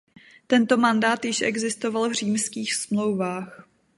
Tento mandát již existoval v Římských smlouvách.